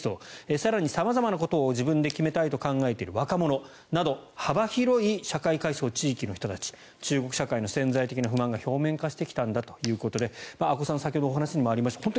更に様々なことを自分で決めたいと考えている若者幅広い社会階層・地域の人たち中国社会の潜在的な不満が表面化してきたんだということで阿古さん先ほどにも話にありました